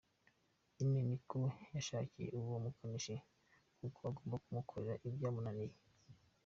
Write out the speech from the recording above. nyine nicyo yashakiye uwo mukanishi, kko agomba kumukorera ibyamunaniye.